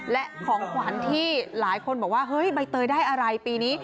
และของขวัญที่หลายคนบอกว่าเฮ้ยใบเตยได้อะไรปีนี้